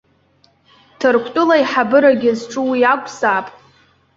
Ҭырқәтәыла аиҳабырагьы зҿу уи акәзаап.